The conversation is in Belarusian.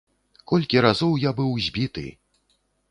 Колькі разоў я быў збіты.